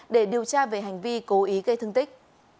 để điều tra về hành vi cố ý gây thương tích